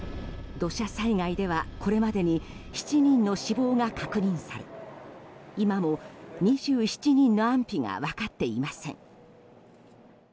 土砂災害ではこれまでに７人の死亡が確認され今も２７人の安否が分かっていません。